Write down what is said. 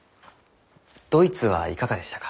ドイツはいかがでしたか？